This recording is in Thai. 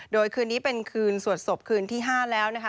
โดยคืนนี้เป็นคืนสวดศพคืนที่๕แล้วนะคะ